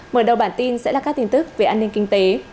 mở đầu bản tin sẽ là các tin tức về an ninh kinh tế